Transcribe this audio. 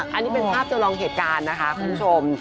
อันนี้เป็นภาพจำลองเหตุการณ์นะคะคุณผู้ชม